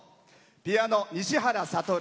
ピアノ、西原悟。